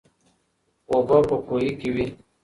اوبه په کوهي کې وې.